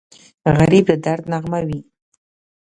غریب د درد نغمه وي